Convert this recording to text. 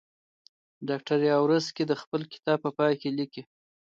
ډاکټر یاورسکي د خپل کتاب په پای کې لیکي.